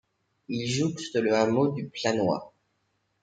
Il jouxte le hameau du Planois.